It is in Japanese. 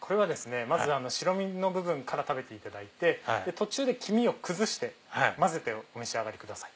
まず白身の部分から食べていただいて途中で黄身を崩して混ぜてお召し上がりください。